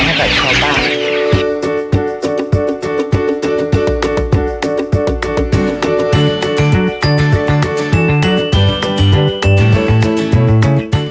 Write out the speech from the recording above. ให้ใครนะบ้าง